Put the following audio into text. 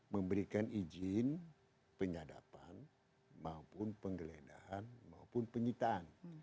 memberikan izin penyadapan maupun penggeledahan maupun penyitaan